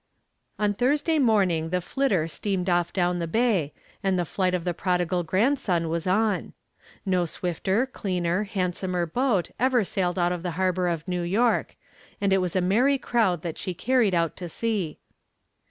On Thursday morning the "Flitter" steamed off down the bay, and the flight of the prodigal grand son was on. No swifter, cleaner, handsomer boat ever sailed out of the harbor of New York, and it was a merry crowd that she carried out to sea.